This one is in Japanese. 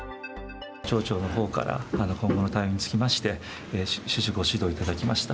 町長のほうから、今後の対応につきまして、種々ご指導を頂きました。